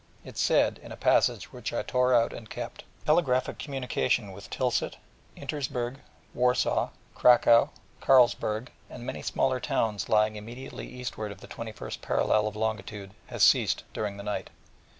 It said in a passage which I tore out and kept: 'Telegraphic communication with Tilsit, Insterburg, Warsaw, Cracow, Przemysl, Gross Wardein, Karlsburg, and many smaller towns lying immediately eastward of the 21st parallel of longitude has ceased during the night.